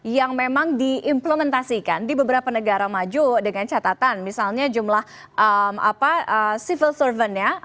yang memang diimplementasikan di beberapa negara maju dengan catatan misalnya jumlah civil serven ya